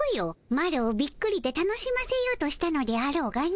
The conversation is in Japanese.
マロをびっくりで楽しませようとしたのであろうがの